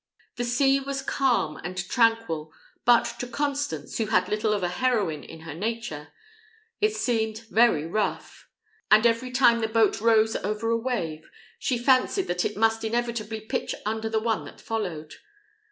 The sea was calm and tranquil, but to Constance, who had little of a heroine in her nature, it seemed very rough; and every time the boat rose over a wave, she fancied that it must inevitably pitch under the one that followed.